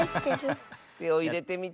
てをいれてみて。